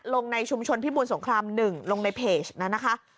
ลงในชุมชนพี่บุญสงครามหนึ่งลงในเพจนะนะคะ